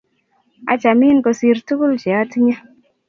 Achamin kosir tukul che atinye